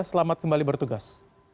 selamat kembali bertugas